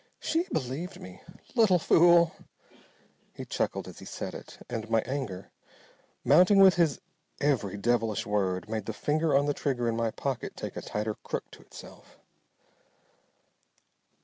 She believed me. Little fool!" He chuckled as he said it, and my anger, mounting with his every devilish word, made the finger on the trigger in my pocket take a tighter crook to itself.